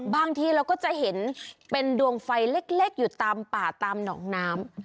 บางทีเราก็จะเห็นเป็นดวงไฟเล็กอยู่ตามป่าตามหนองน้ำ